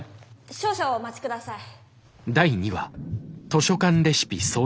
少々お待ち下さい。